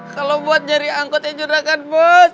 kalau buat nyari angkot ya juragan bos